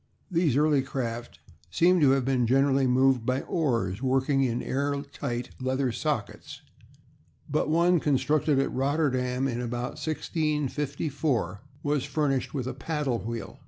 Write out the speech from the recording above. _] These early craft seem to have been generally moved by oars working in air tight leather sockets; but one constructed at Rotterdam about 1654 was furnished with a paddle wheel.